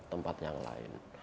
tempat yang lain